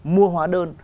mua hóa đơn